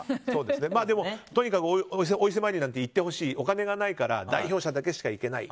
とにかく、お伊勢参りなんて行ってほしいお金がないから代表者しか行けない。